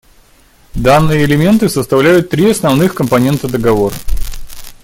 Данные элементы составляют три основных компонента договора.